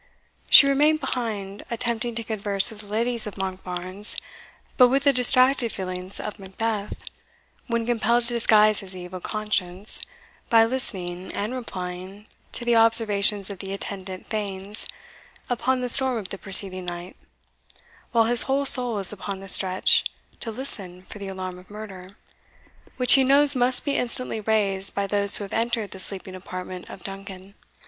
She remained behind, attempting to converse with the ladies of Monkbarns, but with the distracted feelings of Macbeth, when compelled to disguise his evil conscience by listening and replying to the observations of the attendant thanes upon the storm of the preceding night, while his whole soul is upon the stretch to listen for the alarm of murder, which he knows must be instantly raised by those who have entered the sleeping apartment of Duncan.